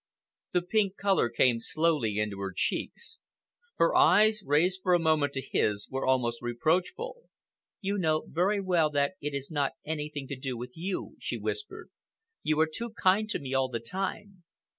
The pink color came slowly into her cheeks. Her eyes, raised for a moment to his, were almost reproachful. "You know very well that it is not anything to do with you," she whispered. "You are too kind to me all the time.